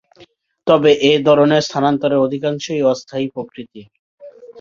তবে এ ধরনের স্থানান্তরের অধিকাংশই অস্থায়ী প্রকৃতির।